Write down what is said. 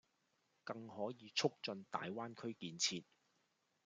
更可以促進大灣區建設